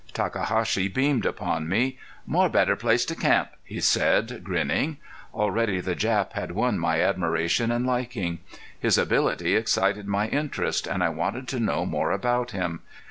Takahashi beamed upon me: "More better place to camp," he said, grinning. Already the Jap had won my admiration and liking. His ability excited my interest, and I wanted to know more about him.